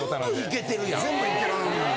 全部いけてるやん。